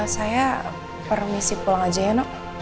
saya permisi pulang aja ya dok